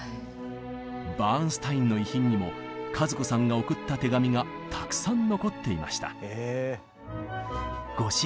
バーンスタインの遺品にも和子さんが送った手紙がたくさん残っていました。